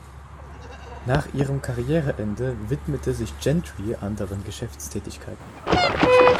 Nach ihrem Karriereende widmete sich Gentry anderen Geschäftstätigkeiten.